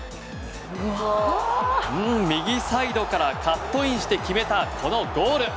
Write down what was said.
右サイドからカットインして決めたこのゴール。